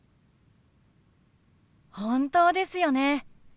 本当ですよね。